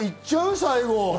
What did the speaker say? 最後。